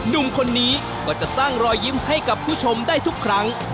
หนุ่มคนนี้ก็จะสร้างรอยยิ้มให้กับผู้ชมได้ทุกครั้ง